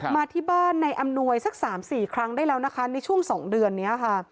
มาที่บ้านในอำนวยสัก๓๔ครั้งได้แล้วนะคะในช่วง๒เดือนนี้ค่ะ